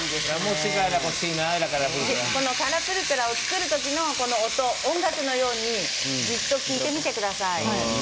このカラプルクラを作る時のこの音楽のような音をじっと聞いてみてください。